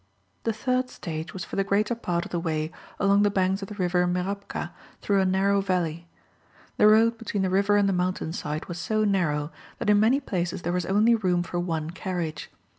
The third stage was for the greater part of the way along the banks of the river Mirabka through a narrow valley. The road between the river and the mountain side was so narrow, that in many places there was only room for one carriage.